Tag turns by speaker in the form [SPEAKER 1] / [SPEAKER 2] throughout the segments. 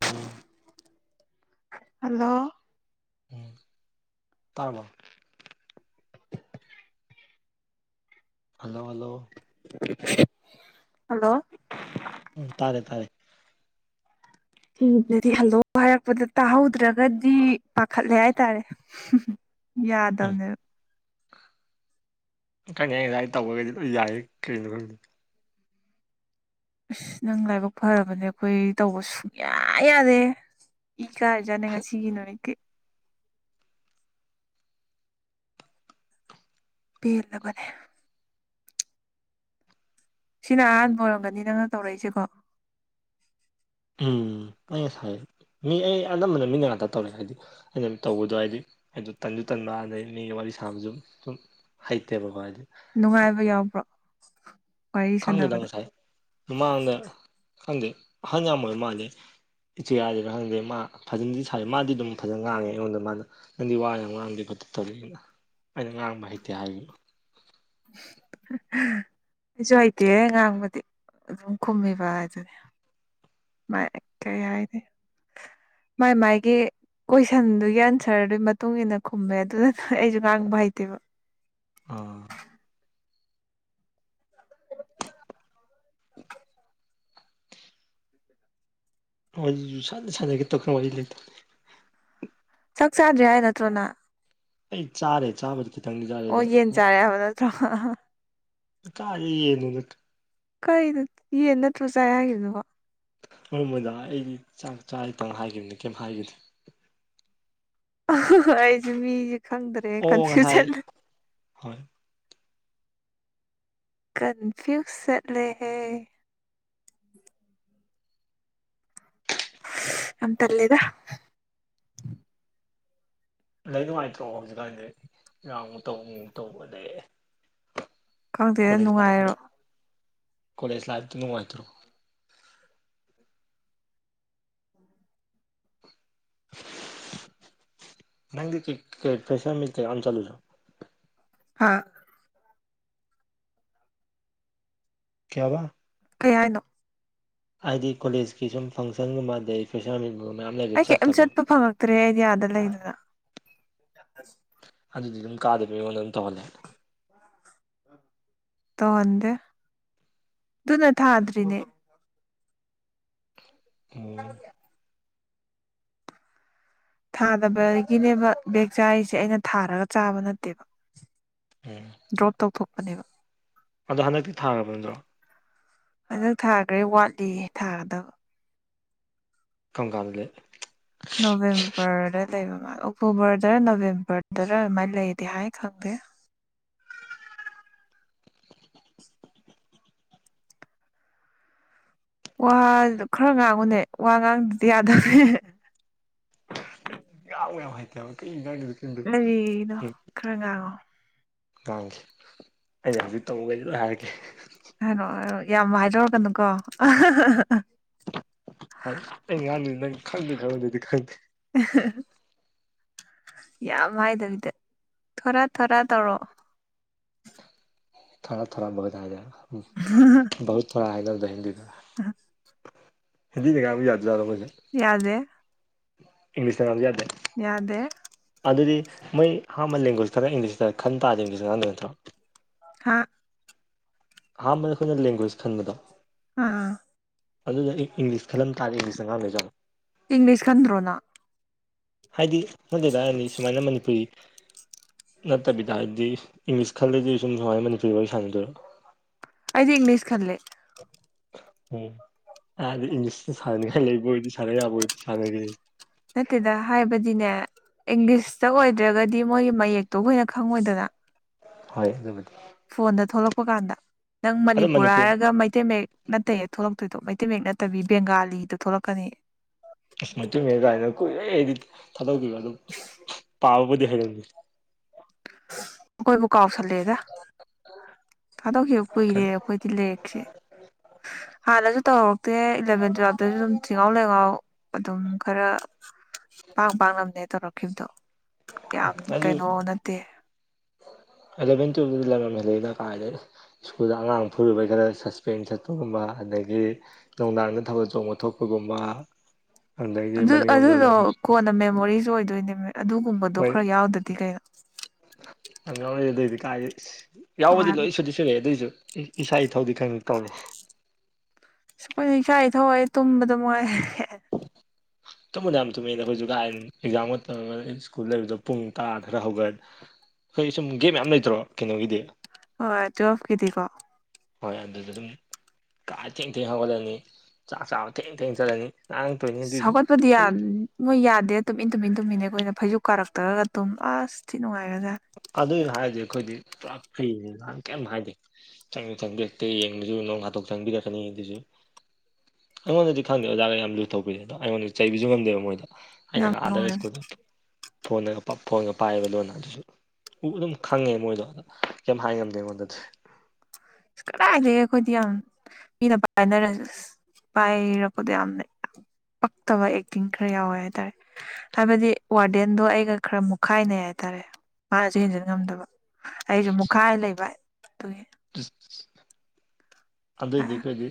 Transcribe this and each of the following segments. [SPEAKER 1] ꯍꯗꯣ
[SPEAKER 2] ꯍꯜꯂꯣ
[SPEAKER 1] ꯎꯝ ꯇꯥꯔꯕ ꯍꯜꯂꯣ ꯍꯜꯂꯣ
[SPEAKER 2] ꯍꯜꯂꯣ
[SPEAKER 1] ꯎꯝ ꯇꯥꯔꯦ ꯇꯥꯔꯦ
[SPEAKER 2] ꯗꯤ ꯍꯜꯂꯣ ꯍꯥꯏꯔꯛꯄꯗ ꯇꯥꯍꯧꯗ꯭ꯔꯒꯗꯤ ꯄꯥꯈꯠꯂꯦ ꯍꯥꯏꯇꯥꯔꯦ ꯌꯥꯗꯧꯅꯦꯕ
[SPEAKER 1] ꯀꯩꯅ ꯌꯥ ꯇꯧꯕꯒꯗꯤ ꯌꯥꯏ ꯀꯔꯤꯅꯣ ꯈ
[SPEAKER 2] ꯑꯁ ꯅꯪ ꯂꯥꯏꯕꯛ ꯐꯔꯕꯅꯦ ꯑꯩꯈꯣꯏ ꯇꯧꯕ ꯁꯨꯡꯌꯥ ꯌꯥꯗꯦ ꯏ ꯀꯥꯔꯖꯥꯠꯅꯦ ꯉꯁꯤꯒꯤ ꯅꯨꯃꯤꯠꯠꯇ ꯐ ꯑ ꯐꯔ ꯁꯤꯅ ꯑꯍꯥꯟꯕ ꯑꯣꯏꯔꯝꯒꯅꯤ ꯅꯪꯅ ꯇꯧꯔꯛꯏꯁꯀꯣ
[SPEAKER 1] ꯎꯝ ꯑꯁꯥꯏ ꯃꯤ ꯑꯩ ꯑꯅꯝꯕꯅ ꯃꯤꯅ ꯉꯥꯛꯇ ꯇꯧꯔꯦ ꯍꯥꯏꯗꯤ ꯑꯩꯅ ꯇꯧꯕꯗꯣ ꯍꯥꯏꯗꯤ ꯑꯗꯨ ꯇꯟꯁꯨ ꯇꯟꯕ ꯑꯗꯩ ꯃꯤꯒꯤ ꯋꯥꯔꯤ ꯏꯁꯥ ꯑꯃꯁꯁꯨ ꯁꯨꯝ ꯍꯩꯇꯦꯕꯀꯣ ꯍꯥꯏꯗꯤ
[SPEAKER 2] ꯅꯨꯡꯉꯥꯏꯕ ꯌꯥꯎꯕ꯭ꯔꯣ ꯋꯥꯔꯤ
[SPEAKER 1] ꯈꯪꯗꯦꯗ
[SPEAKER 2] ꯁꯥꯟꯅꯕꯗ
[SPEAKER 1] ꯉꯁꯥꯏ ꯃꯃꯥꯡꯗ ꯈꯪꯗꯦ ꯑꯍꯜ ꯌꯥꯝꯃꯕ ꯃꯥꯜꯂꯦ ꯏꯆꯦ ꯍꯥꯏꯗꯦꯅ ꯈꯪꯗꯦ ꯃꯥ ꯐꯖꯅꯗꯤ ꯁ ꯃꯥꯗꯤ ꯑꯗꯨꯝ ꯐꯖꯅ ꯉꯥꯡꯉꯦ ꯑꯩꯉꯣꯟꯗ ꯃꯥꯗ ꯅꯪꯗꯤ ꯋꯥ ꯌꯥꯝ ꯉꯥꯡꯗꯤꯦ ꯐꯖ ꯇꯧꯔꯤꯅꯤꯅ ꯑꯩꯅ ꯉꯥꯡꯕ ꯍꯩꯇꯦ ꯍꯥꯏꯈꯤꯕꯅ
[SPEAKER 2] [unintelligible] ꯑꯩꯁꯨ ꯍꯩꯇꯦ ꯉꯥꯡꯕꯗꯤ ꯑꯗꯨꯝ ꯈꯨꯝꯃꯤꯕ ꯍꯥꯏꯗꯨꯅꯦ ꯃ ꯀ ꯌꯥꯏꯗꯤ
[SPEAKER 1] [unintelligible] [unintelligible]
[SPEAKER 2] ꯃꯥꯏ ꯃꯥꯒꯦ ꯀꯣꯏꯁꯟꯗꯨꯒꯤ ꯑꯟꯁꯔꯗꯨꯒꯤ ꯃꯇꯨꯡ ꯏꯟꯅ ꯈꯨꯝꯃꯦ ꯑꯗꯨꯅ ꯅ ꯑꯩꯁꯨ ꯉꯥꯡꯕ ꯍꯩꯇꯦꯕ
[SPEAKER 1] ꯑꯥ ꯥꯟꯗ ꯁꯥꯥꯟꯗꯒꯤ ꯇꯈ ꯋꯥꯔꯤ ꯂꯩꯇ
[SPEAKER 2] ꯆꯥꯛ ꯆꯥꯗ꯭ꯔꯦ ꯍꯥꯏ ꯅꯠꯇ꯭ꯔꯣꯅ
[SPEAKER 1] ꯑꯩ ꯆꯥꯔꯦ ꯆꯥ
[SPEAKER 2] ꯑꯣ ꯌꯦꯟ ꯆꯥꯔꯦ ꯍꯥꯏꯕ ꯅꯠꯇ꯭ꯔꯣ
[SPEAKER 1] ꯀꯥꯒꯤ ꯌꯦꯅꯦ ꯑꯗꯨ
[SPEAKER 2] ꯀꯥꯏꯅ ꯌꯦꯅꯠ ꯔꯣ ꯆꯥꯏ ꯍꯥꯏꯒꯤꯗꯨ ꯋꯥ
[SPEAKER 1] ꯑꯔꯝꯕꯗꯥ ꯑꯩꯗꯤ ꯆꯥꯛ ꯆꯥꯔꯤ ꯄꯪ ꯍꯥꯏꯈꯤꯕꯅꯤ ꯀꯩꯝ ꯍꯥꯏꯈꯤꯅꯤ
[SPEAKER 2] ꯑꯩꯁꯨꯦ ꯃꯤꯁꯦ ꯈꯪꯗ꯭ꯔꯦ
[SPEAKER 1] ꯑꯣ ꯉꯁꯥꯏ
[SPEAKER 2] ꯀꯟꯐ꯭ꯌꯨꯁꯟ
[SPEAKER 1] ꯍꯣꯏ
[SPEAKER 2] ꯀꯟꯐ꯭ꯌꯨꯁꯠꯂꯦꯍꯦ ꯑꯇꯂꯦꯗ
[SPEAKER 1] ꯂꯩ ꯅꯨꯡꯉꯥꯏꯇ꯭ꯔꯣ ꯍꯧꯖꯤꯛꯀꯥꯟꯗꯤ ꯌꯥ ꯑꯃꯨꯛ ꯇꯧꯕꯨꯨꯛ ꯇꯧꯕ ꯂꯩ
[SPEAKER 2] ꯈꯪꯗꯦ
[SPEAKER 1] ꯀꯣꯂꯦꯖ
[SPEAKER 2] ꯅꯨꯡꯉꯥꯏꯔꯣ
[SPEAKER 1] ꯂꯥꯏꯐꯇꯨ ꯀꯣꯂꯦꯖ ꯂꯥꯏꯕꯅꯉꯥꯏꯇ꯭ꯔꯣ [unintelligible] ꯅꯗꯤ ꯀꯩ ꯐꯩꯁ ꯑ ꯆꯂꯁꯨ
[SPEAKER 2] ꯍꯥ
[SPEAKER 1] ꯀꯌꯥ ꯋꯥ
[SPEAKER 2] ꯀꯩ ꯍꯥꯏꯅꯣ
[SPEAKER 1] ꯍꯥꯏꯗꯤ ꯀꯣꯂꯦꯖꯀꯤ ꯁꯨꯝ ꯐꯪꯁꯟꯒꯨꯝꯕꯗꯩ ꯐꯣꯏꯁꯥꯃꯤ
[SPEAKER 2] ꯑꯩ ꯀꯔꯤꯝ ꯆꯠꯄ ꯐꯪꯉꯛꯇ꯭ꯔꯦ ꯑꯗꯤꯌꯥꯗ ꯂꯩꯗꯅ
[SPEAKER 1] ꯑꯗꯨꯝ ꯀꯥꯗꯕꯤ ꯋꯥꯅꯝ ꯇꯣꯂ
[SPEAKER 2] ꯇꯟꯦ ꯗꯨꯅꯠꯇ꯭ꯅꯦ
[SPEAKER 1] ꯑꯣꯝ
[SPEAKER 2] ꯊꯥꯗꯕꯗꯒꯤꯅꯦꯕ ꯕꯦꯦꯛ ꯆꯥꯔꯤꯁꯦ ꯑꯩꯅ ꯊꯥꯔꯒ ꯆꯥꯕ ꯅꯠꯇꯦꯕ
[SPEAKER 1] ꯎꯝ
[SPEAKER 2] ꯗ꯭ꯔꯣꯞ ꯇꯧꯊꯣꯛꯄꯅꯦꯕ
[SPEAKER 1] ꯑꯗꯣ ꯍꯟꯗꯛꯇꯤ ꯊꯥꯈꯔꯕꯗꯣ
[SPEAKER 2] ꯑꯗꯨꯗꯛ ꯊꯥꯈ꯭ꯔꯔꯤ ꯋꯥꯠꯂꯤ ꯊꯥꯒꯗꯕ
[SPEAKER 1] ꯀꯪꯒꯥꯜꯒꯦ
[SPEAKER 2] ꯅꯕꯦꯝꯕꯔ ꯂꯩꯕ ꯑꯣꯛꯇꯣꯕꯔꯗꯔ ꯅꯕꯦꯝꯕꯔꯗꯔ ꯑꯗꯨꯃꯥꯏꯅ ꯂꯩꯗꯦ ꯍꯥꯏ ꯈꯪꯗꯦ
[SPEAKER 1] [unintelligible]
[SPEAKER 2] ꯋꯥꯗꯨ ꯈꯔ ꯉꯥꯡꯉꯨꯅꯦ ꯋꯥ ꯉꯥꯡꯕꯗꯤ ꯌꯥꯗꯕꯅꯦ
[SPEAKER 1] ꯌꯥ ꯌꯥ ꯍꯥꯏꯥꯏ ꯇ ꯀꯩ ꯉꯥꯡꯉꯤꯅꯣ ꯈꯪꯗꯦ
[SPEAKER 2] ꯀꯔꯤꯅꯣ
[SPEAKER 1] ꯎꯝ
[SPEAKER 2] ꯈꯔ ꯉꯥꯡꯉꯣ
[SPEAKER 1] ꯉꯥꯡꯈꯤ ꯑꯩꯅ ꯍꯧꯖꯤꯛ ꯇꯝꯃꯨꯒ ꯂ ꯍꯥꯏꯔꯛꯒꯦ
[SPEAKER 2] ꯍꯥꯏꯣ ꯌꯥꯝ ꯋꯥꯏꯔꯔꯒꯅꯨꯀꯣ
[SPEAKER 1] ꯈꯪꯗꯦ ꯈꯪꯗ ꯑꯗꯨꯗꯤ ꯈꯪꯗꯦ
[SPEAKER 2] [unintelligible] ꯌꯥꯝ ꯍꯥꯏꯗꯕꯤꯗ ꯊꯣꯔꯥ ꯊꯣꯔꯥ ꯇꯧꯔꯑꯣ
[SPEAKER 1] ꯊꯔ ꯊꯔ ꯍꯥꯏꯗ ꯊꯔ ꯍꯥꯏꯗꯗ
[SPEAKER 2] ꯇ
[SPEAKER 1] ꯍꯤꯟꯗꯤ ꯅ ꯀꯕꯤ ꯌꯥꯥꯖꯗꯣꯏ
[SPEAKER 2] ꯌꯥꯗꯦ
[SPEAKER 1] ꯏꯪꯂꯤꯁ ꯀ ꯌꯥꯗ
[SPEAKER 2] ꯌꯥꯗꯦ
[SPEAKER 1] ꯑꯗꯨꯗꯤ ꯃꯣꯏ ꯑꯍꯥꯟꯕ ꯂꯦꯡꯒ꯭ꯋꯦꯖ ꯈꯔ ꯏꯪꯂꯤꯁꯇ ꯈꯟ ꯇꯥꯗ ꯏꯪꯂꯤꯁꯇ ꯉꯥꯡꯗꯦ ꯅꯠꯇ꯭ꯔꯣ
[SPEAKER 2] ꯍꯥ
[SPEAKER 1] ꯍꯥꯥ ꯃ ꯑꯩꯣꯏꯅ ꯂꯦꯡꯒ꯭ꯋꯦꯖ ꯈꯟꯕꯗꯣ
[SPEAKER 2] ꯑꯥ
[SPEAKER 1] ꯑꯗꯨꯗ ꯑꯩ ꯏꯪꯂꯤꯁ ꯈꯜꯂꯝ ꯇꯥꯔꯦ ꯏꯪꯂꯤꯁ ꯑꯉꯥꯡ ꯂꯩꯖꯠꯕꯣ
[SPEAKER 2] ꯏꯪꯂꯤꯁ ꯀꯟ꯭ꯔꯣꯅ
[SPEAKER 1] ꯍꯥꯏꯗꯤ ꯃꯣꯏ ꯂꯩꯇꯥꯔꯅꯤ ꯁꯨꯃꯥꯏꯅ ꯃꯅꯤꯄꯨꯔꯤ ꯅꯠꯇꯕꯤꯗ ꯍꯥꯏꯗꯤ ꯏꯪꯂꯤꯁ ꯈꯜꯂꯗꯤ ꯁꯨꯝ ꯁꯨꯉꯥꯏ ꯃꯅꯤꯄꯨ ꯋꯥꯔꯤ ꯋꯥꯔꯤ ꯁꯥꯟꯅꯗꯣꯏꯔꯣ
[SPEAKER 2] ꯑꯩꯗꯤ ꯏꯪꯂꯤꯁ ꯈꯂ
[SPEAKER 1] ꯎ ꯏꯪꯂꯤꯁ ꯁꯅ ꯂꯩꯕꯣꯏꯗꯤ ꯁꯔ ꯌꯥꯕꯣꯏ ꯁ
[SPEAKER 2] ꯅꯠꯇꯦꯗ ꯍꯥꯏꯕꯗꯤꯅꯦ ꯏꯪꯂꯤꯁꯇ ꯑꯣꯏꯗ꯭ꯔꯒꯗꯤ ꯃꯣꯏꯒꯤ ꯃꯌꯦꯛꯇꯣ ꯑꯩꯈꯣꯏꯅ ꯈꯪꯉꯣꯏꯗꯅ
[SPEAKER 1] ꯍꯣꯏ ꯑꯗꯨꯗꯤ
[SPEAKER 2] ꯐꯣꯟꯗ ꯊꯣꯛꯂꯛꯄ ꯀꯥꯟꯗ ꯅꯪ
[SPEAKER 1] ꯑꯗꯣ
[SPEAKER 2] ꯃꯅꯤꯄꯨꯔ
[SPEAKER 1] ꯃꯅꯤꯄꯨꯔꯤ
[SPEAKER 2] ꯍꯥꯏꯔꯒ ꯃꯩꯇꯩ ꯃꯌꯦꯛ ꯅꯠꯇꯩꯌꯦ ꯊꯣꯛꯂꯛꯇꯣꯏꯗꯣ ꯃꯩꯇꯩ ꯃꯌꯦꯛ ꯅꯠꯇꯕꯤ ꯕꯦꯡꯒꯥꯂꯤꯗꯣ ꯊꯣꯛꯂꯛꯀꯅꯤ
[SPEAKER 1] ꯑꯁꯃꯥꯏꯨ ꯀꯥꯏꯅ ꯀꯨꯏꯔꯦ ꯑꯩꯗꯤ ꯊꯥꯗꯣꯛꯈꯤꯕ ꯑꯗꯨ ꯄꯥꯕꯕꯨꯗꯤ ꯍꯩꯔꯝꯒꯦ [inaudible]
[SPEAKER 2] ꯀꯣꯏ ꯃꯀꯥꯥꯎꯁ ꯂꯩꯗ ꯊꯥꯗꯣꯛꯈꯤꯕ ꯀꯨꯏꯔꯦ ꯑꯩꯈꯣꯏꯗꯤ ꯂꯦꯛꯁꯦ ꯍꯥꯟꯅꯁꯨ ꯇꯧ ꯦ ꯏꯂꯚꯦꯟ ꯇꯨꯋꯦꯜꯞꯇꯁꯨ ꯑꯗꯨꯝ ꯊꯤꯍꯥꯎ ꯂꯩꯉꯥꯎ ꯑꯗꯨꯝ ꯈꯔ ꯄꯥꯛ ꯄꯥꯛ ꯉꯝꯅꯦ ꯇꯧꯔꯛꯈꯤꯕꯗꯣ ꯌꯥꯝ ꯀꯩꯅꯣꯅ
[SPEAKER 1] ꯑꯗꯕ ꯇ ꯂ ꯑꯩꯅ ꯀꯥꯏꯗ ꯁ꯭ꯀꯨꯜꯗ ꯑꯉꯥꯡ ꯐꯨꯔꯨꯕꯩ ꯈꯔ ꯁꯁꯄꯦꯟ ꯆꯠꯇꯔꯝꯕ ꯑꯗꯒꯤ ꯅ ꯊꯕ ꯆꯣꯡꯕ ꯊꯣꯛꯄꯒꯨꯝꯕ ꯑꯗꯒꯤ
[SPEAKER 2] ꯑꯗꯨ
[SPEAKER 1] ꯃꯅꯤꯡꯂꯣꯝꯗꯅ
[SPEAKER 2] ꯑꯗꯨꯗꯣ ꯀꯣꯟꯅ ꯃꯦꯃꯣꯔꯤꯁꯨ ꯑꯣꯏꯗꯣꯏꯅꯦ ꯑꯗꯨꯒꯨꯝꯕꯗꯣ ꯈꯔ ꯌꯥꯎꯗꯗꯤ ꯀꯩꯅꯣ
[SPEAKER 1] ꯌꯥꯝꯪ ꯌꯥꯎꯔꯛꯑꯦ ꯑꯗꯨꯑꯣꯏꯗꯤ ꯀꯥꯏꯦ ꯌꯥꯎꯕꯗꯤ ꯂꯣꯏ
[SPEAKER 2] ꯅꯨꯡꯉꯥꯏꯕꯅꯦ
[SPEAKER 1] ꯁꯨꯗꯤꯤ ꯁꯨꯔꯛꯑꯦ ꯑꯗꯨꯑꯣꯏꯁꯨ ꯏꯁꯥ ꯏꯊꯧꯗꯤ ꯈꯪꯉ ꯇꯧꯅꯤ
[SPEAKER 2] ꯁ ꯑꯩꯣꯏꯅ ꯏꯆꯥ ꯏ ꯊꯧꯏ ꯇꯨꯝꯕꯗ ꯃꯣꯏ
[SPEAKER 1] [unintelligible] ꯇꯨꯝꯗ ꯌꯥꯝ ꯇꯨꯝꯃꯦꯗ ꯑꯩꯈꯣꯏꯁꯨ ꯀꯥꯏ ꯑꯦꯛꯖꯥꯝꯒ ꯁ꯭ꯀꯨꯜ ꯂꯩꯕꯗꯣ ꯄꯨꯡ ꯇꯔꯥ ꯈꯔ ꯍꯧꯒꯠ ꯍꯣꯏ ꯁꯨꯝ ꯒꯦꯝ ꯌꯥꯝꯌꯥꯝ ꯂꯩꯇ꯭ꯔꯣ ꯀꯩꯅꯣꯒꯤꯗꯤ
[SPEAKER 2] ꯍ ꯇ ꯑꯣꯐ ꯀꯦꯗꯤ ꯀꯣ
[SPEAKER 1] ꯍꯣꯏ ꯑꯗꯨꯗ ꯑꯗꯨꯝ ꯀꯥ ꯊꯦꯡ ꯊꯦꯡ ꯍꯧꯒꯠꯂꯅꯤ ꯆꯥꯛ ꯆꯥꯕ ꯊꯦꯡ ꯊꯦꯡ ꯆꯠꯂꯅꯤ ꯉꯥꯡꯉꯛꯇꯣꯏꯅꯤ ꯑꯗꯨꯏꯁꯨ
[SPEAKER 2] ꯁꯒꯠꯕꯨꯗꯤꯌꯥ ꯃꯣꯏ ꯌꯥꯗꯦ ꯇꯨꯃꯤꯟ ꯇꯨꯃꯤꯟ ꯇꯨꯝꯃꯤꯅꯦ ꯑꯩꯈꯣꯏꯅ ꯐꯩꯖ ꯀꯥꯔꯛꯇ꯭ꯔꯒ ꯇꯨꯝ ꯑꯁ ꯊꯤ ꯅꯨꯡꯉꯥꯏꯔꯁꯦ
[SPEAKER 1] ꯑꯗꯨꯏꯅ ꯍꯥꯏꯔꯗꯤ ꯑꯩꯈꯣꯏꯗꯤ ꯄꯨꯔꯥ ꯐꯔꯤ ꯅꯍꯥꯟ ꯀꯩꯝ ꯍꯥꯏꯗꯤꯦꯪ ꯆꯪꯗꯛꯇ ꯌꯦꯡꯕꯁꯨ ꯂꯣꯡ ꯍꯥꯣꯛ ꯆꯪꯕꯤꯒ ꯈꯅꯤꯁꯨ ꯑꯩꯉꯣꯟꯗꯗꯤ ꯈꯪꯗꯦ ꯑꯣꯖꯥꯒ ꯌꯥꯝ ꯂꯨꯊꯧꯕꯄꯤꯔꯦ ꯑꯗꯣ ꯑꯩꯉꯣꯟꯗ ꯆꯩꯕꯤꯁꯨ ꯉꯝꯗꯦꯕ ꯃꯣꯏꯗ ꯑꯩꯅ
[SPEAKER 2] ꯌꯥꯝ
[SPEAKER 1] ꯉꯥꯗꯒ
[SPEAKER 2] ꯅꯨꯡꯉꯥꯏꯕꯅꯦ
[SPEAKER 1] ꯁꯀꯨꯜꯗ ꯐꯣꯟꯉꯒ ꯐꯣꯟꯉꯒ ꯄꯥꯏꯔꯤꯕ ꯂꯣꯟ ꯑꯗꯨꯁꯨ ꯎ ꯑꯗꯨꯝ ꯈꯪꯉꯦ ꯃꯣꯏꯗꯣ ꯑ ꯀꯩꯝ ꯍꯥꯏ ꯉꯝꯗꯦ ꯑꯩꯉꯣꯟꯗꯗꯤ
[SPEAKER 2] ꯀꯗꯥꯏꯗꯒꯤ ꯑꯩꯈꯣꯏꯗꯤ ꯌꯥꯝ ꯃꯤꯅ ꯄꯥꯏꯅꯔꯁꯤ ꯑ ꯄꯥꯏ ꯏꯔꯀꯣꯗꯤ ꯌꯥꯝꯝ ꯂꯩ ꯄꯛꯇꯕ ꯑꯦꯛꯇꯤꯡ ꯈꯔ ꯌꯥꯎꯋꯦ ꯍꯥꯏꯇꯥꯔꯦ ꯍꯥꯏꯕꯗꯤ ꯋꯥꯔꯗꯦꯟꯗꯣ ꯑꯩꯒ ꯈꯔ ꯃꯨꯠꯈꯥꯏꯅꯩ ꯍꯥꯏꯇꯥꯔꯦ ꯃꯥꯅꯁꯨ ꯍꯦꯟꯖꯤꯟ ꯉꯝꯗꯕ ꯑꯩꯁꯨ ꯃꯨꯈꯥꯏ ꯂꯩꯕ ꯑꯗꯨꯒꯤ
[SPEAKER 1] ꯑꯗꯨꯏꯗꯤ ꯑꯩꯈꯣꯏꯗꯤ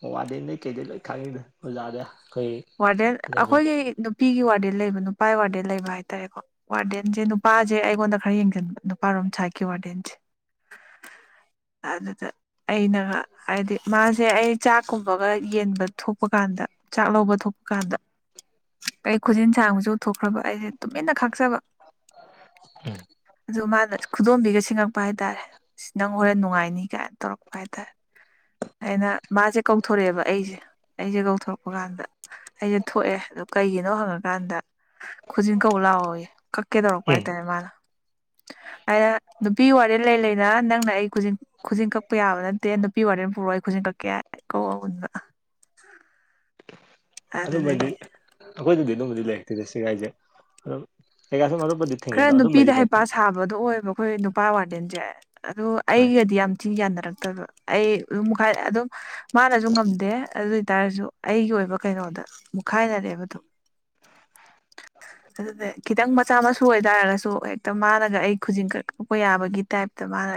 [SPEAKER 1] ꯋꯥ ꯋꯥꯗꯅꯦ ꯀꯩꯗ ꯂꯩ ꯈꯥꯏ ꯍꯧꯖꯥꯗꯦ
[SPEAKER 2] ꯋꯥꯔꯗꯦꯟ ꯑꯩꯈꯣꯏꯒꯤ ꯅꯨꯄꯤꯒꯤ ꯋꯥꯔꯗꯦꯟ ꯂꯩꯕ ꯅꯨꯄꯥꯒꯤ ꯋꯥꯔꯗꯦꯟ ꯂꯩꯕ ꯍꯥꯏꯇꯥꯔꯦꯀꯣ ꯋꯥꯔꯗꯦꯟꯁꯦ ꯅꯨꯄꯥꯁꯦ ꯑꯩꯉꯣꯟꯗ ꯈꯔ ꯌꯦꯡꯁꯤꯟꯕ ꯅꯨꯄꯥꯔꯣ ꯆꯥꯀꯤ ꯋꯥꯦ
[SPEAKER 1] [inaudible]
[SPEAKER 2] ꯑꯗꯨꯗ ꯑꯩꯅꯒ ꯍꯥꯏꯗꯤ ꯃꯥꯁꯦ ꯑꯩ ꯆꯥꯛꯀꯨꯝꯕꯒ ꯌꯦꯟꯕ ꯊꯣꯛꯄ ꯀꯥꯟꯗ ꯆꯥꯛꯂꯧꯕ ꯊꯣꯛꯄ ꯀꯥꯟꯗ ꯀꯩ ꯈꯨꯖꯤꯟ ꯁꯥꯡꯕꯁꯨ ꯊꯣꯛꯈ꯭ꯔꯕ ꯑꯩꯁꯦ ꯇꯨꯃꯤꯟꯅ ꯈꯥꯛꯆꯕ ꯑꯗꯨ ꯃꯥꯅ ꯈꯨꯗꯣꯝꯕꯤꯒꯁ ꯄ ꯍꯥꯏ ꯇꯔꯦ ꯁꯤ ꯅꯪ ꯍꯣꯔꯦꯟ ꯅꯨꯡꯉꯥꯏꯅꯤ ꯀꯥꯏꯅ ꯇꯧꯔꯛꯄ ꯍꯥꯏꯇꯥꯔꯦ ꯑꯩꯅ ꯃꯥꯁꯦ ꯀꯧꯊꯣꯔꯛꯑꯦꯕ ꯑꯩꯁꯦ ꯑꯩꯁꯦ ꯀꯧꯊꯣꯔꯛꯄ ꯀꯥꯟꯗ ꯑꯩꯁꯦ ꯊꯣꯛꯑꯦ ꯀꯩꯒꯤꯅꯣ ꯍꯪꯉꯀꯥꯟꯗ ꯈꯨꯖꯤꯟ ꯀꯧꯕꯧ ꯂꯥꯛꯑꯣꯋ ꯀꯛꯀꯦ ꯇꯧꯔꯛꯄ ꯍꯥꯏꯇꯥꯔꯦ ꯃꯥꯅ
[SPEAKER 1] ꯍ
[SPEAKER 2] ꯍꯥꯏꯗ ꯅꯨꯄꯤ ꯋꯥꯔꯦ ꯂꯩ ꯂꯩꯅ ꯅꯪꯅ ꯑꯩ ꯈꯨ ꯈꯨꯖꯤꯤꯡ ꯀꯛꯄ ꯌꯥꯕ ꯅꯠꯇꯦ ꯅꯨꯄꯤ ꯋꯥꯔꯦ ꯄꯨꯔꯛ ꯑꯩ ꯈꯨꯖꯤꯟ ꯀꯛꯀꯦ ꯀꯧ ꯎꯟꯕ ꯍꯥꯏ ꯑꯗꯨ
[SPEAKER 1] ꯑꯗꯨꯃꯗꯤ
[SPEAKER 2] ꯊꯒꯤ
[SPEAKER 1] ꯑꯩꯈꯣꯏꯗꯗꯤ ꯑꯗꯨꯝꯕꯨꯗꯤ ꯂꯩꯔꯛꯇꯦꯗꯦ ꯁꯤꯒꯥꯏꯁꯦ ꯑꯗꯨꯝ ꯀꯩꯀꯥꯏ ꯁꯨꯝ ꯑꯗꯨꯝ
[SPEAKER 2] ꯈꯔ ꯅꯨꯄꯤꯗ ꯍꯩꯄꯥ ꯁꯥꯕꯗꯣ ꯑꯣꯏꯕ ꯑꯩꯈꯣꯏ ꯅꯨꯄꯥ ꯋꯥꯔꯗꯦꯟꯁꯦ ꯑ
[SPEAKER 1] ꯍꯣꯏ
[SPEAKER 2] ꯑꯩꯒꯗꯤ ꯌꯥꯝ ꯊꯤꯅ ꯌꯥꯅꯔꯛꯇꯕ ꯑꯩ ꯑꯗꯨꯝ ꯃꯈꯥꯏ ꯑꯗꯨꯝ ꯃꯥꯅꯁꯨ ꯉꯝꯗꯦ ꯑꯗꯨ ꯑꯣꯏꯇꯥꯔꯁꯨ ꯑꯩꯒꯤ ꯑꯣꯏꯕ ꯀꯩꯅꯣꯗ ꯃꯨꯛꯈꯥꯏꯅꯔꯦꯕꯗꯣ
[SPEAKER 1] [inaudible]
[SPEAKER 2] ꯑꯗꯨ ꯈꯤꯇꯪ ꯃꯆꯥ ꯃꯁꯨ ꯁꯨ ꯑꯣꯏ ꯇꯥꯔꯒꯁꯨ ꯍꯦꯛꯇ ꯃꯥꯅꯒ ꯑꯩ ꯈꯨꯖꯤꯤꯡ ꯀꯛꯂꯛꯄ ꯌꯥꯕꯒꯤ ꯇꯥꯏꯞꯇ ꯃꯥꯅ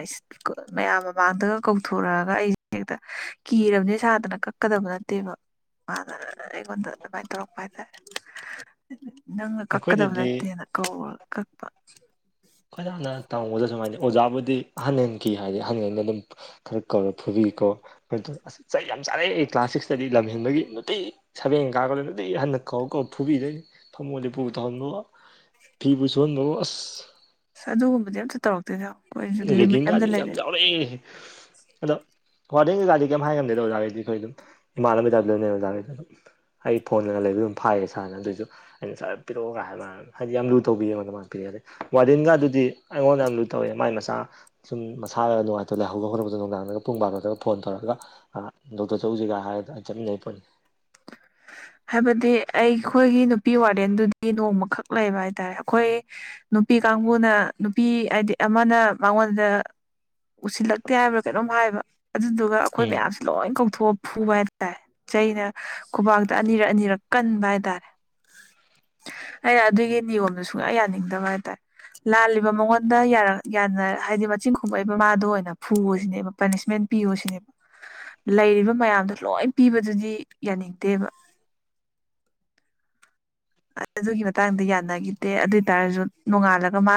[SPEAKER 2] ꯃꯌꯥꯝ ꯑꯃ ꯥꯟꯗꯒ ꯀꯧꯊꯣꯔꯛꯑꯒ ꯑꯩꯁꯦ ꯍꯦꯛꯇ ꯀꯤꯔꯕꯅꯦ ꯁꯥꯗꯅ ꯀꯛꯀꯗꯕ ꯅꯠꯇꯦꯕ ꯑꯔꯤꯒꯣꯟ ꯅ ꯃꯥꯏ ꯇꯔꯄꯥꯏꯗꯦ ꯅꯪ
[SPEAKER 1] ꯑꯩꯈꯣꯏꯗꯗꯤ
[SPEAKER 2] ꯀꯛꯗꯕꯅꯠꯇꯦꯅ ꯀꯣ [unintelligible]
[SPEAKER 1] ꯑꯩꯣꯏ ꯌꯥꯝꯅ ꯇꯧꯕꯗ ꯁꯨꯃꯥꯏꯅ ꯑꯣꯖꯥꯕꯨꯗꯤ ꯑꯍꯟ ꯍꯟꯈꯤ ꯍꯥꯏꯗꯤ ꯑꯍꯟ ꯍꯟꯗ ꯑꯗꯨꯝ ꯈꯔ ꯀꯧꯔ ꯐꯨꯕꯤ ꯁ ꯌꯥꯝ ꯆꯥꯅꯩ ꯀ꯭ꯂꯥꯁ ꯁꯤꯛꯁꯇꯗꯤ ꯂꯝ ꯍꯦꯟꯕꯒꯤ ꯅꯨꯇꯩ ꯁꯕꯦꯟ ꯀꯥꯒ ꯍꯟꯅ ꯀꯧ ꯀꯧ ꯐꯨꯕꯤꯗꯩ ꯊꯝꯃꯣꯗꯤ ꯄꯨꯨꯕꯨ ꯇꯧꯍꯟꯕꯣ ꯐꯤꯕꯨ ꯁꯨꯍꯟꯕꯣ ꯑꯁ
[SPEAKER 2] ꯑꯁ ꯑꯗꯨꯒꯨꯝꯕꯗꯤ ꯑꯝꯇ ꯇꯧꯔꯛꯇꯣꯏꯅ
[SPEAKER 1] ꯔꯦꯒꯤꯡꯒꯥꯥꯁ ꯌꯥꯝ ꯌꯥꯎꯔꯛꯑꯦꯅꯦ ꯑꯗꯣ ꯍꯗꯦꯟ ꯖꯥꯗꯤ ꯀꯩꯝ ꯍꯥꯏꯔꯝꯗꯦꯗꯣ ꯑꯣꯖꯥꯩꯗꯤ ꯑꯩꯈꯣꯏ ꯑꯗꯨꯝ ꯏꯃꯥꯟꯅꯕꯕꯤꯗ ꯂꯣꯏꯅ ꯑꯣꯖꯥꯈꯗꯤ ꯑꯗꯨꯝ ꯑꯩ ꯐꯣꯟꯒ ꯂꯩ ꯑꯗꯨꯝ ꯐꯥꯏꯌꯦ ꯁꯥꯔꯅ ꯑꯗꯨꯁꯨ ꯑꯩꯅꯔ ꯄꯤꯔꯛꯑꯣꯒ ꯍꯥꯏꯗꯤ ꯌꯥꯝ ꯂꯨ ꯇꯧꯕꯤꯉ ꯑꯗꯨ ꯄꯤꯛꯦ ꯑꯗ ꯋꯥꯔꯗꯤꯒ ꯑꯗꯨꯗꯤ ꯑꯩꯉꯣꯟ ꯌꯥꯝ ꯂꯨ ꯇꯧꯋꯦ ꯃꯥꯏ ꯃꯁ ꯃꯆꯥ ꯁꯨꯝ ꯃꯁꯥꯗ ꯅꯨꯡꯉꯥꯏꯇꯕ ꯂꯥꯏꯍꯧꯕꯒ ꯍꯧꯠꯛꯄꯗ ꯅꯨꯡꯗꯥꯡꯔꯒ ꯄꯨꯡ ꯄꯥꯂꯗꯒ ꯐꯣꯟ ꯇꯧꯔꯒ ꯗꯣꯛꯇꯔ ꯁꯨꯝ ꯍꯥꯏꯆ ꯅ
[SPEAKER 2] ꯍꯥꯏꯕꯗꯤ ꯑꯩꯈꯣꯏꯒꯤ ꯅꯨꯄꯤ ꯋꯥꯔꯦꯟꯗꯨꯗꯤ ꯅꯣꯡꯃꯈꯛ ꯂꯩꯕ ꯍꯥꯏꯇꯥꯔꯦ ꯑꯩꯈꯣꯏ ꯅꯨꯄꯤ ꯀꯥꯡꯕꯨꯅ ꯅꯨꯄꯤ ꯍꯥꯏꯗꯤ ꯑꯃꯅ ꯃꯉꯣꯟꯗ ꯎꯁꯤꯜꯂꯛꯇꯦ ꯍꯥꯏꯕ꯭ꯔꯥ ꯀꯩꯅꯣꯝ ꯍꯥꯏꯕ ꯑꯗꯨꯗꯨꯒ ꯑꯩꯈꯣꯏ
[SPEAKER 1] ꯎꯝ
[SPEAKER 2] ꯃꯌꯥꯝꯁ ꯂꯣꯏ ꯀꯧꯊꯣꯛꯑ ꯐꯨꯕ ꯍꯥꯏꯇꯥꯔꯦ ꯆꯩꯅ ꯈꯨꯕꯥꯛꯇ ꯑꯅꯤꯔꯛ ꯑꯅꯤꯔꯛ ꯀꯟꯕ ꯍꯥꯏꯇꯥꯔꯦ ꯑꯩꯅ ꯑꯗꯨꯒꯤ ꯅꯤꯌꯣꯝꯗꯣ ꯁꯨꯡꯌꯥ ꯌꯥꯅꯤꯡꯗꯕ ꯍꯥꯏꯇꯥꯔꯦ ꯂꯥꯜꯂꯤꯕ ꯃꯉꯣꯟꯗꯔ ꯌꯥꯅ ꯍꯥꯏꯗꯤ ꯃꯆꯤꯟ ꯈꯣꯃꯛꯛꯏꯕ ꯃꯥꯗ ꯑꯣꯏꯅ ꯐꯨꯕꯁꯤꯅꯦꯕ ꯄꯅꯤꯁꯃꯦꯟ ꯄꯤꯌꯣ ꯁꯤꯅꯦꯕ ꯂꯩꯔꯤꯕ ꯃꯌꯥꯝꯗꯣ ꯂꯣꯏ ꯄꯤꯕꯗꯨꯗꯤ ꯌꯥꯅꯤꯡꯗꯦꯕ ꯑꯗꯨꯒꯤ ꯃꯇꯥꯡꯗ ꯌꯥꯅꯈꯤꯗꯦ ꯑꯗꯨꯏ ꯇꯔꯁꯨ ꯅꯣꯡꯉꯥꯜꯂꯒ ꯃꯥ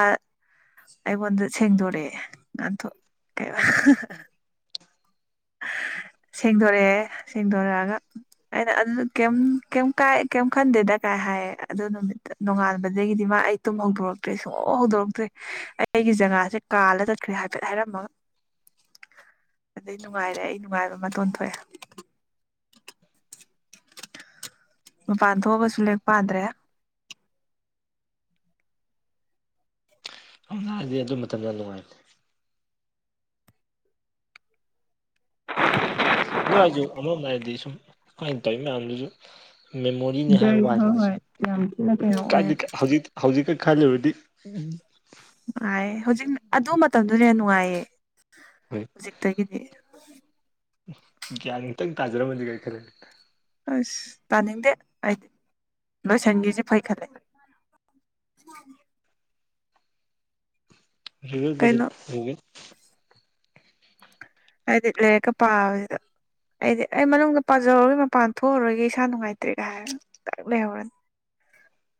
[SPEAKER 2] ꯑꯩꯉꯣꯟꯗ ꯁꯦꯡꯗꯣꯔꯛꯑꯦ ꯉꯥꯟꯊ ꯀꯩ
[SPEAKER 1] [inaudible]
[SPEAKER 2] ꯁꯦꯡꯗꯣꯔꯛꯑꯦ ꯁꯦꯡꯗꯣꯔꯛꯑꯒ ꯑꯩꯅ ꯑꯗꯨ ꯀꯩ ꯀꯥꯏ ꯀꯩꯝ ꯈꯟꯗꯦꯗ ꯀꯥꯏ ꯍꯥꯏꯌꯦ ꯑꯗꯨ ꯅꯨꯃꯤꯠꯇ ꯅꯣꯡꯉꯥꯟꯕꯗꯒꯤꯗꯤ ꯃꯥ ꯑꯩ ꯇꯨꯝ ꯍꯧꯗꯣꯔꯛꯇ꯭ꯔꯦ ꯁꯨꯡ ꯍꯧꯗꯣꯔꯛꯇ꯭ꯔꯦ ꯑꯩꯒꯤ ꯖꯒꯥꯦ ꯁꯦ ꯀꯥꯗ ꯆꯠꯈ꯭ꯔꯦ ꯍꯥꯏꯐꯦꯠ ꯍꯥꯏꯔꯝꯃꯒ
[SPEAKER 1] [unintelligible]
[SPEAKER 2] ꯑꯗꯨꯗꯩ ꯅꯨꯡꯉꯥꯏꯔꯦ ꯑꯩ ꯅꯨꯡꯉꯥꯏꯕ ꯑꯃꯇ ꯑꯣ ꯊꯣꯛꯑꯦ ꯕꯥꯥꯗꯣꯕꯁꯂꯦ ꯄꯥꯗ꯭ꯔꯦ
[SPEAKER 1] ꯑꯗꯨꯔꯗꯤ ꯑꯗꯨ ꯃꯇꯝ ꯌꯥꯝ ꯅꯨꯡꯉꯥꯏꯔꯦ ꯑꯗꯨꯁꯨ ꯑꯃꯃꯝ ꯍꯥꯏꯔꯗꯤ ꯁꯨꯝ ꯀꯃꯥꯏꯅ ꯇꯧꯋꯤ ꯃꯌꯥꯝꯗꯨꯁꯨ ꯃꯦꯃꯣꯔꯤꯅꯤ ꯍꯥꯏꯕ
[SPEAKER 2] ꯖꯔ ꯍꯣꯏ
[SPEAKER 1] ꯋꯥꯗꯁꯨ
[SPEAKER 2] ꯍꯣꯏ ꯌꯥꯝ ꯊꯤꯅ ꯀꯩꯅꯣ ꯑꯣꯏꯌꯦ
[SPEAKER 1] ꯍꯧꯖꯤꯛ ꯍꯧꯖꯤꯛ ꯈꯜꯂꯕꯗꯤ
[SPEAKER 2] ꯍꯧꯖꯤꯛ ꯑꯗꯨ ꯃꯇꯝꯗꯨꯅ ꯌꯥꯝ ꯅꯨꯡꯉꯥꯏꯌꯦ
[SPEAKER 1] ꯍꯣꯏ
[SPEAKER 2] ꯍꯧꯖꯤꯛꯇꯒꯤꯗꯤ ꯎ
[SPEAKER 1] ꯒ꯭ꯌꯥꯟ ꯇꯪ ꯇꯥꯖꯔꯝꯃꯗꯤꯦ ꯀꯔꯤ ꯈꯔ
[SPEAKER 2] ꯑꯁ ꯇꯥꯅꯤꯡꯗꯦꯗꯤ ꯂꯣꯏꯁꯒꯤꯁꯦ ꯐꯩꯈꯂꯦ ꯎꯝ
[SPEAKER 1] ꯔꯤꯒꯦꯜ ꯗꯤ
[SPEAKER 2] ꯀꯩꯅꯣ
[SPEAKER 1] ꯔꯤꯒꯦꯜ
[SPEAKER 2] ꯑꯗꯤ ꯂꯩꯦꯒ ꯄꯥꯕꯗ ꯑꯩꯗꯤ ꯑꯩ ꯃꯅꯨꯡꯗ ꯄꯥꯖꯍꯧꯔꯣꯏ ꯃꯄꯥꯟ ꯊꯣꯛꯎꯔꯣꯏꯒꯦ ꯏꯁꯥ ꯅꯨꯡꯉꯥꯏꯇ꯭ꯔꯦꯒ ꯍꯥꯏꯔ ꯂꯩꯍꯧꯔꯅꯤ
[SPEAKER 1] [unintelligible]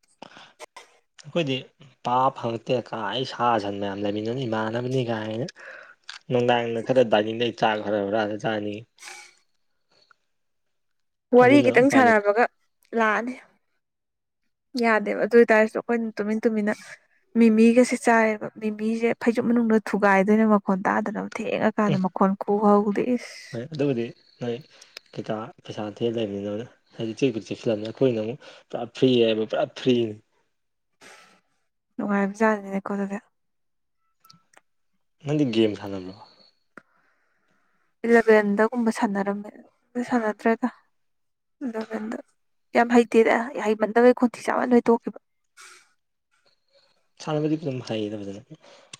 [SPEAKER 1] ꯑꯩꯈꯣꯏꯗꯤ ꯄꯥꯕ ꯐꯪꯉꯛꯇꯦ ꯀꯥꯏ ꯑꯩ ꯁꯥ ꯁꯟ ꯃꯌꯥꯝ ꯂꯩꯃꯤꯟꯅꯅꯤ ꯏꯃꯥꯟꯅꯕꯅꯤ ꯀꯥꯏꯅ ꯅꯨꯡꯗꯥꯡꯗ ꯈꯔ ꯗꯥꯏꯅꯤꯡꯗꯩ ꯆꯥꯈ꯭ꯔꯕ꯭ꯔꯥ ꯆꯥꯅꯤꯤ
[SPEAKER 2] ꯋꯥꯔꯤ ꯈꯤꯇꯪ
[SPEAKER 1] ꯎꯄꯥꯏ ꯂꯩꯇꯦ
[SPEAKER 2] ꯁꯥꯟꯅꯕꯒ ꯂꯥꯛꯑꯅꯤ ꯌꯥꯗꯦꯕ ꯑꯗꯨ ꯑꯣꯏꯇꯥꯔꯁꯨ ꯑꯩꯈꯣꯏꯅ ꯇꯨꯃꯤꯟ ꯇꯨꯃꯤꯟꯅ ꯃꯤꯃꯤꯒꯁꯦ ꯆꯥꯏꯌꯦꯕ ꯃꯤꯃꯤꯁꯦ ꯐꯩꯖꯨꯞ ꯃꯅꯨꯡꯗ ꯊꯨꯒꯥꯏꯗꯣꯏꯅ ꯃꯈꯣꯟ ꯇꯥꯗꯅꯕ ꯊꯦꯡꯉꯀꯥꯟꯗ ꯃꯈꯣꯟ ꯀ ꯍꯧꯗꯛꯏꯦ
[SPEAKER 1] ꯍꯣꯏ ꯑꯗꯨꯕꯨꯗꯤ ꯅꯣꯏ ꯈꯤꯇ ꯄꯩꯁꯥ ꯊꯦꯜ ꯂꯩꯕꯅꯤꯅ ꯍꯥꯏꯗꯤ ꯎꯆꯦ ꯀꯆꯦ ꯐꯤꯂꯝ ꯑꯩꯈꯣꯏꯅ ꯐꯔꯤ ꯍꯥꯏꯕ ꯄ ꯐꯔꯤ
[SPEAKER 2] ꯅꯨꯡꯉꯥꯏꯕꯤꯖꯖꯅꯤꯈꯣ ꯑꯗꯨꯗ
[SPEAKER 1] ꯅꯪꯗꯤ ꯒꯦꯝ ꯁꯥꯟꯅꯕ꯭ꯔꯣ
[SPEAKER 2] ꯏꯂꯚꯦꯟꯗꯒꯨꯝꯕ ꯁꯥꯟꯅꯔꯝꯃꯦ ꯁꯥꯟꯅꯗ꯭ꯔꯦꯗ ꯃꯟꯗ ꯌꯥꯝ ꯍꯩꯇꯦꯗ ꯍꯩꯃꯟꯗꯕꯩ ꯈꯣꯟꯇꯤ ꯆꯥꯃꯟ ꯂꯣꯏ ꯇ ꯊꯣꯛꯈꯤꯕ
[SPEAKER 1] [unintelligible] ꯁꯥꯟꯅꯕꯗꯤ ꯑꯗꯨꯝ ꯍꯩꯌꯦꯗꯕ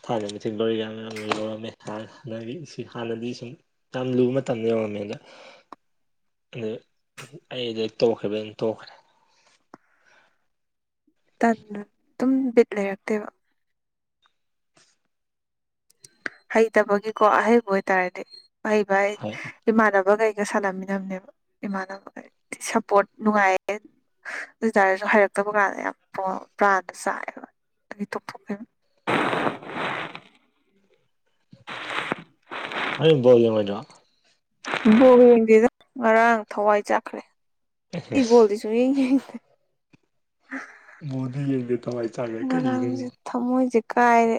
[SPEAKER 1] ꯐꯖꯅ ꯊꯥꯅ ꯆ ꯂꯔꯤꯒ ꯂꯧꯔꯝꯃꯦ ꯊ ꯍꯥꯟꯅꯒꯤ ꯏꯁꯤꯡ ꯍꯥꯟꯅꯗꯤ ꯁꯨꯝ ꯌꯥꯝ ꯂꯨꯕ ꯃꯇꯝꯗ ꯌꯧꯔꯝꯃꯦ ꯑꯗ ꯑꯗꯨ ꯑꯩ ꯑꯗꯨ ꯇꯣꯛꯈꯈꯤꯕꯅ ꯇꯣꯛꯈ꯭ꯔꯦ
[SPEAKER 2] ꯇ ꯑꯗꯨꯝ ꯕꯤꯠ ꯂꯩꯔꯛꯇꯦꯕ ꯍꯩꯇꯕꯒꯤꯀꯣ ꯑꯍꯩꯕ ꯑꯣꯏꯇꯥꯔꯗꯤ ꯍꯍꯩꯕ
[SPEAKER 1] ꯍꯣꯏ
[SPEAKER 2] ꯏꯃꯥꯟꯅꯕ ꯀꯩꯒ ꯁꯥꯥꯟꯂꯝꯃꯤꯟꯅꯕꯅꯦꯕ ꯏꯃꯥꯟꯅꯕ ꯁꯞꯄꯣꯔꯠ ꯅꯨꯡꯉꯥꯏꯌꯦ ꯑꯗꯨꯇꯥꯔꯁꯨ ꯍꯥꯏꯩꯔꯛꯇꯕ ꯀꯥꯟꯗ ꯌꯥꯝ ꯄ꯭ꯔꯥꯅ ꯁꯥꯏꯌꯦꯕ ꯇꯣꯞ
[SPEAKER 1] ꯑ ꯃ
[SPEAKER 2] ꯕꯣꯜ ꯌꯦꯡꯗꯦꯗ ꯉꯔꯥꯡ ꯊꯋꯥꯏ ꯆꯥꯈ꯭ꯔꯦ ꯑꯩꯕꯣꯜꯗꯤ ꯁꯨꯡ ꯌꯦꯡ ꯌꯦꯡꯗꯦ ꯑ
[SPEAKER 1] ꯃꯣꯗꯤ ꯌꯦꯡ
[SPEAKER 2] ꯉꯔꯥꯡꯁꯦ ꯊꯃꯣꯏꯁꯦ ꯀꯥꯏꯔꯦ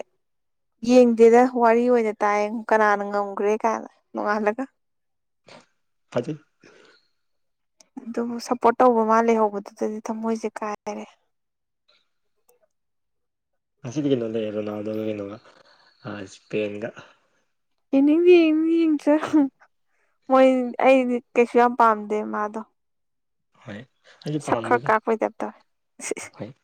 [SPEAKER 2] ꯌꯦꯡꯗꯦꯗ ꯋꯥꯔꯤ ꯑꯣꯏꯅ ꯇꯥꯏꯌꯦ ꯀꯅꯥꯅ ꯉꯝꯈ꯭ꯔꯦ ꯀꯥꯏꯅ ꯅꯣꯡꯉꯥꯜꯂꯒ
[SPEAKER 1] ꯐꯖꯤ
[SPEAKER 2] ꯑꯗꯨꯕꯨ ꯁꯞꯄꯣꯔꯠ ꯇꯧꯕ ꯃꯥꯜꯂꯦ ꯍꯧꯕꯗꯨꯗꯗꯤ ꯊꯃꯣꯏꯁꯦ ꯀꯥꯏꯔꯦ
[SPEAKER 1] [unintelligible] ꯉꯁꯤꯗꯤ ꯀꯩꯅꯣ ꯂꯩꯌꯦꯦ ꯔꯣꯅꯥꯜꯗꯣꯒꯤ ꯀꯩꯅꯣꯒ ꯏꯁꯄꯦꯟꯒ
[SPEAKER 2] ꯑꯦꯗꯤ ꯌꯦ ꯏꯆ ꯃꯣꯏ ꯑꯩꯗꯤ ꯀꯩꯁꯨ ꯌꯥꯝ ꯄꯥꯝꯗꯦ ꯃꯥꯗꯣ
[SPEAKER 1] ꯍꯣꯏ ꯑꯗꯨꯗꯤ
[SPEAKER 2] ꯁꯛ ꯈꯔ
[SPEAKER 1] ꯄꯥꯝꯗꯨꯒ
[SPEAKER 2] ꯀꯥꯛꯄꯩ ꯇꯥꯏꯞ ꯇꯧꯋꯦ
[SPEAKER 1] ꯍꯣꯏ